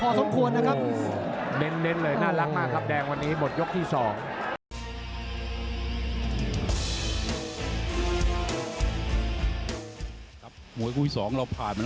แต่ว่าจังหวะอรัวมัติขู่ลุ่นน้องมุมแดงที่เห็นแล้วครับสอนหน้านี้นี่อรัวมัติเป็นประทัดจุดจีนเลยนะพี่ชัยนะ